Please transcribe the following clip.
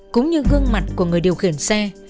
cũng như gương mặt của người điều khiển xe